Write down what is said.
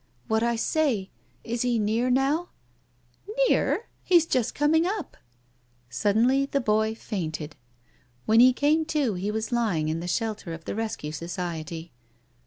" What I say. Is he near now ?"" Near ? He's just coming up." Suddenly the boy fainted. When he came to he was lying in the shelter of the Rescue Society.